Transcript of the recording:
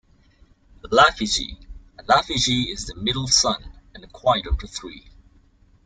Laphiji - Laphiji is the middle son and the quiet one of the three.